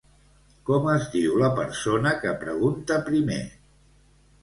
Com es diu la persona què pregunta primer?